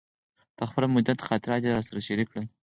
د خپل مدیریت خاطرات یې راسره شریک کړل.